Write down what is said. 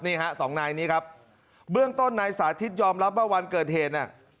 นี่ฮะสองนายนี้ครับเบื้องต้นนายสาธิตยอมรับว่าวันเกิดเหตุน่ะ